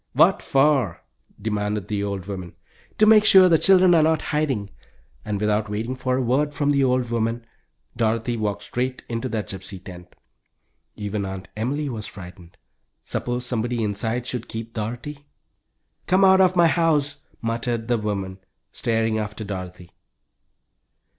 "What for?" demanded the old woman. "To make sure the children are not hiding," and without waiting for a word from the old woman, Dorothy walked straight into that gypsy tent! Even Aunt Emily was frightened. Suppose somebody inside should keep Dorothy? "Come out of my house!" muttered the woman, starting after Dorothy.